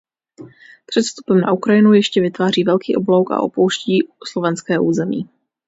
Před vstupem na Ukrajinu ještě vytváří velký oblouk a opouští slovenské území.